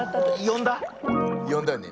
よんだよね？